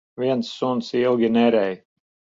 Viens suns ilgi nerej.